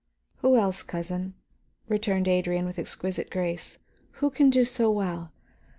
"Who else, cousin?" returned Adrian, with exquisite grace. "Who can do so well?